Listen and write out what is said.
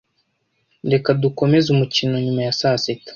Reka dukomeze umukino nyuma ya sasita.